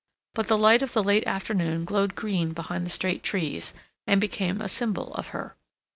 But the light of the late afternoon glowed green behind the straight trees, and became a symbol of her.